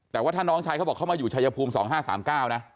แต่ว่าถ้าน้องชายเขาบอกเขามาอยู่ชายภูมิ๒๕๓๙นะ